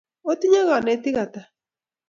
otinye kanetik ata